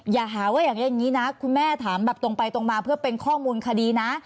อย่าหาว่าอย่างนี้นะคุณแม่ถามแบบตรงไปตรงมาเพื่อเป็นข้อมูลคดีนะ